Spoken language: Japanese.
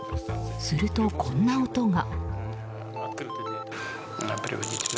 すると、こんな音が。